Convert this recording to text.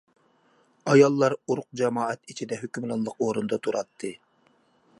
ئاياللار ئۇرۇق-جامائەت ئىچىدە ھۆكۈمرانلىق ئورۇندا تۇراتتى.